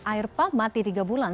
air pump mati tiga bulan